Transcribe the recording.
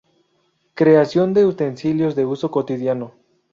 Creación de utensilios de uso cotidiano.